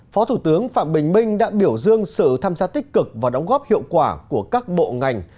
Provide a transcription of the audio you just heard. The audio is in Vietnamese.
phó thủ tướng phạm bình minh đã biểu dương sự tham gia tích cực và đóng góp hiệu quả của các bộ ngành